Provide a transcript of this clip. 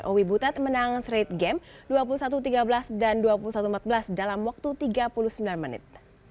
owi butet menang straight game dua puluh satu tiga belas dan dua puluh satu empat belas dalam waktu tiga puluh sembilan menit